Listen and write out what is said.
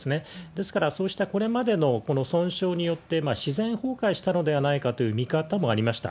ですから、そうしたこれまでのこの損傷によって、自然崩壊したのではないかという見方もありました。